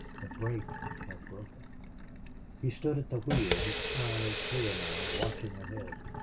The brake had broken. He stood at the wheel, his eyes clear now, watching ahead.